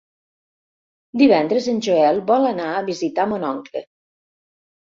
Divendres en Joel vol anar a visitar mon oncle.